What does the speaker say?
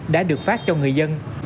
đã được phát cho người dân